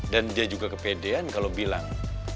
dan dia juga kepedean kalau bilang